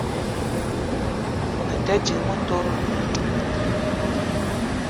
Me te ding motoro